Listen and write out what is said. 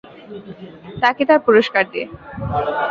তাকে তার পুরষ্কার দে।